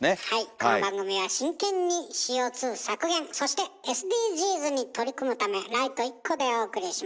この番組は真剣にＣＯ削減そしてＳＤＧｓに取り組むためライト１個でお送りします。